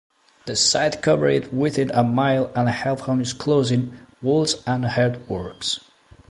The site covered within a mile and half of enclosing walls and earthworks.